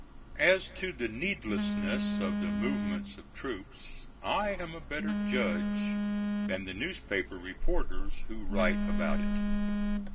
As to the needlessness of the movements of troops I am a better judge than the newspaper reporters who write about it.